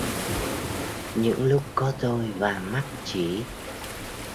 Những lúc có tôi và mắt chỉ...